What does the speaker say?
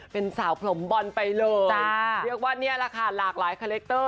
เป็นสาวผมบอลไปเลยเรียกว่านี่แหละค่ะหลากหลายคาแรคเตอร์